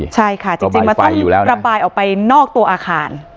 ใช่ค่ะจริงมันต้องระบายออกไปนอกตัวอาคาร